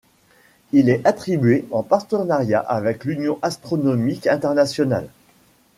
Il est attribué en partenariat avec l’union astronomique internationale.